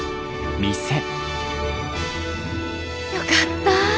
よかった。